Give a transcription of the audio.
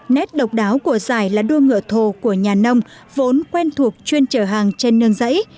nét độc đáo của giải là đua ngựa thồ của nhà nông vốn quen thuộc chuyên trở hàng trên nương giấy